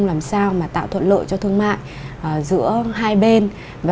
làm sao mà tạo thuận lợi cho thương mại giữa hai bên